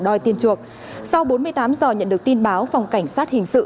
đòi tiền chuộc sau bốn mươi tám giờ nhận được tin báo phòng cảnh sát hình sự